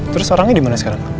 terus orangnya di mana sekarang